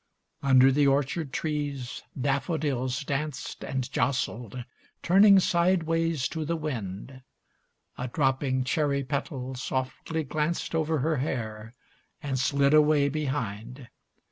XVI Under the orchard trees daffodils danced And jostled, turning sideways to the wind. A dropping cherry petal softly glanced Over her hair, and slid away behind.